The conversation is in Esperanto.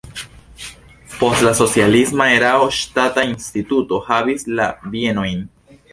Post la socialisma erao ŝtata instituto havis la bienojn.